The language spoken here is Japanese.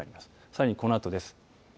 さらに、このあとです。